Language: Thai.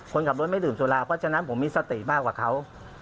คนขับรถไม่ดื่มสุราเพราะฉะนั้นผมมีสติมากกว่าเขา